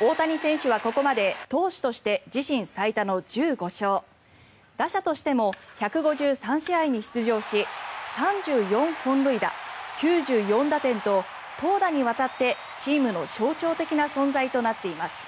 大谷選手はここまで投手として自身最多の１５勝打者としても１５３試合に出場し３４本塁打９４打点と投打にわたって、チームの象徴的な存在となっています。